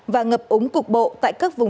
và ngập ống cục bộ tại các vùng trũng thấp ven sông